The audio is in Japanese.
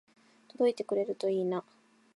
届いてくれるといいな